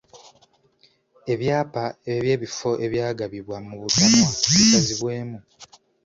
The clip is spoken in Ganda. Ebyapa eby'ebifo ebyagabibwa mu butanwa bisazibwemu.